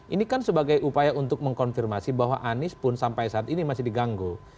ini kan sebagai upaya untuk mengkonfirmasi bahwa anies pun sampai saat ini masih diganggu